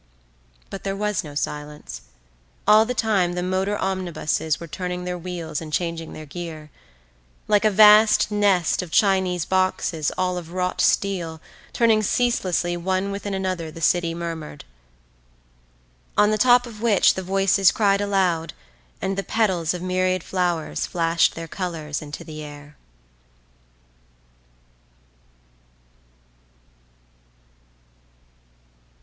But there was no silence; all the time the motor omnibuses were turning their wheels and changing their gear; like a vast nest of Chinese boxes all of wrought steel turning ceaselessly one within another the city murmured; on the top of which the voices cried aloud and the petals of myriads of flowers flashed their colours into the air.